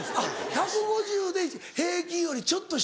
１５０で平均よりちょっと下。